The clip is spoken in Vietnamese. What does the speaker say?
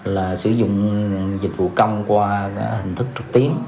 là sử dụng dịch vụ công qua hình thức trực tuyến